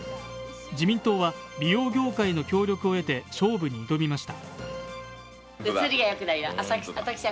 自民党は美容業界の協力を得て勝負に挑みました。